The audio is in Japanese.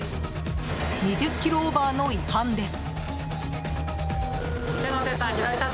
２０キロオーバーの違反です。